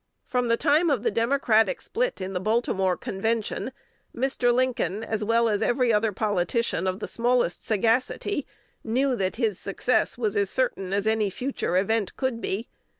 From the time of the Democratic split in the Baltimore Convention, Mr. Lincoln, as well as every other politician of the smallest sagacity, knew that his success was as certain as any future event could be.